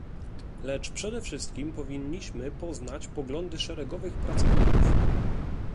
Lecz przede wszystkich powinniśmy poznać poglądy szeregowych pracowników